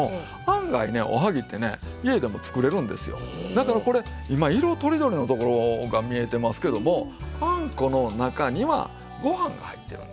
だからこれ今色とりどりのところが見えてますけどもあんこの中にはご飯が入ってるんですよ。